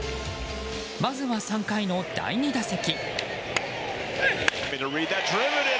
まずは３回の第２打席。